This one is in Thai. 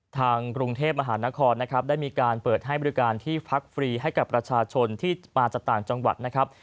ทางกรุงเทพมหานครนะครับได้มีการเปิดให้บริการที่พักฟรีให้กับประชาชนที่มาจากต่างจังหวัดนะครับ